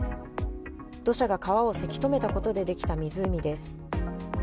土砂が川をせき止めたことでできた湖です。